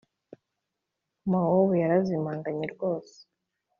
Mowabu yarazimanganye rwose,